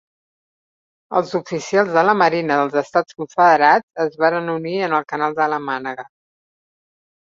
Els oficials de la marina dels Estats Confederats es varen unir en el canal de la Mànega.